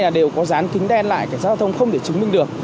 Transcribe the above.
là đều có dán kính đen lại cái giao thông không để chứng minh được